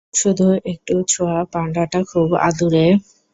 শুধু একটু ছোঁয়া, পান্ডাটা খুব আদুরে!